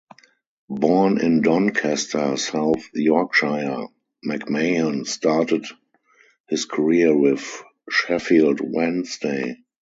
Born in Doncaster, South Yorkshire, McMahon started his career with Sheffield Wednesday.